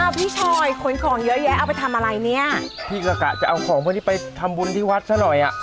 พี่ชอยขนของเยอะแยะเอาไปทำอะไรเนี้ยพี่ก็กะจะเอาของพวกนี้ไปทำบุญที่วัดซะหน่อยอ่ะ